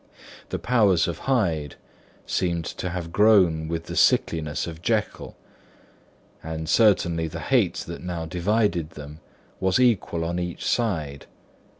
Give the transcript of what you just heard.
The powers of Hyde seemed to have grown with the sickliness of Jekyll. And certainly the hate that now divided them was equal on each side.